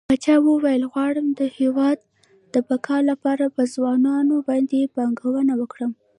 پاچا وويل غواړم د هيواد د بقا لپاره په ځوانانو باندې پانګونه وکړه.